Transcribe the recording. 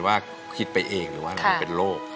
มันไม่ใช่ให้เป็นว่าคิดไปเองหรือว่าเป็นโรค